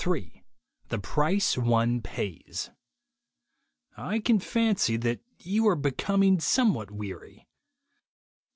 Ill THE PRICE ONE PAYS T CAN fancy that you are becoming somewhat ^ weary.